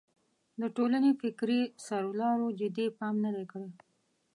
د ټولنې فکري سرلارو جدي پام نه دی کړی.